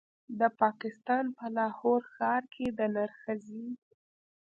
د پاکستان په لاهور ښار کې د نرښځې